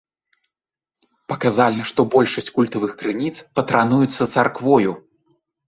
Паказальна, што большасць культавых крыніц патрануюцца царквою.